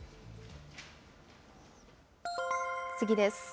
次です。